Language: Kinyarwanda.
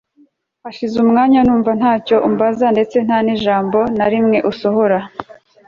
hashize umwanya numva ntacyo ambaza ndetse ntanijambo narimwe asohora